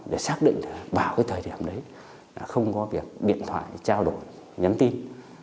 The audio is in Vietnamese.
để xác định vào cái thời điểm đấy không có việc điện thoại trao đổi nhắn tin